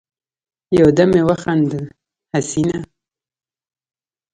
يودم يې وخندل: حسينه!